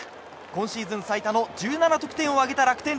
今シーズン最多の１７得点を挙げた楽天。